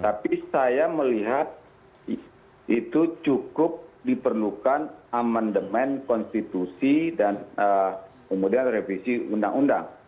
tapi saya melihat itu cukup diperlukan amandemen konstitusi dan kemudian revisi undang undang